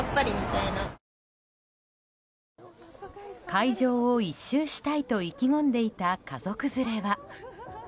会場を一周したいと意気込んでいた家族連れは。